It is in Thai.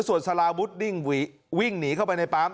ส่วนสลามุทรดิ้งหวีวิ่งหนีเข้าไปในปั๊ม